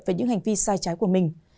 về những hành vi sai trái của mình